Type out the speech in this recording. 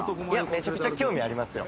めちゃくちゃ興味ありますよ。